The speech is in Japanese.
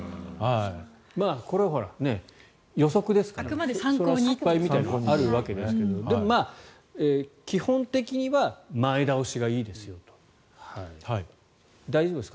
これは予測ですからそれは失敗みたいなのがあるわけですがでも、基本的には前倒しがいいですよと。大丈夫ですか？